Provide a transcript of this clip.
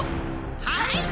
はい！